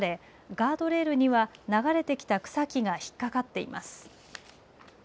ガードレールには流れてきた草木が引っ掛かっています。